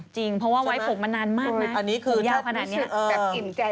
จริงเพราะว่าไว้ผมมานานมากผู้หญิงยาวขนาดนี้